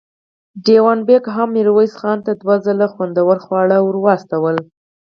دېوان بېګ هم ميرويس خان ته دوه ځله خوندور خواړه ور لېږل.